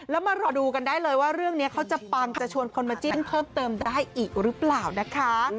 แล้วมารอดูกันได้เลยว่าเรื่องนี้เขาจะปังจะชวนคนมาจิ้นเพิ่มเติมได้อีกหรือเปล่านะคะ